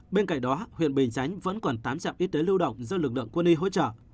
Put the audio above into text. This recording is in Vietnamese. bên cạnh đó huyện bình chánh vẫn còn tám trạm y tế lưu động do lực lượng quân y hỗ trợ